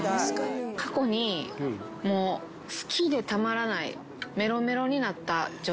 過去にもう好きでたまらない。